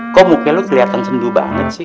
kok muka lu kelihatan senduh banget sih